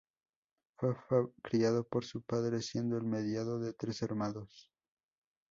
Fue criado por su padre, siendo el mediado de tres hermanos.